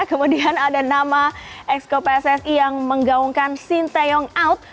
kemudian ada nama exco pssi yang menggaungkan sintayong alt